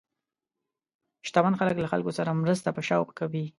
شتمن خلک له خلکو سره مرسته په شوق کوي.